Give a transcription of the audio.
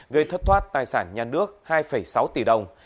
gây thất thoát tài sản nhà nước hai sáu tỷ đồng